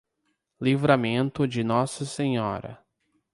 Livramento de Nossa Senhora